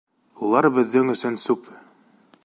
Улар беҙҙең өсөн сүп!